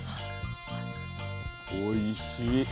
おいしい。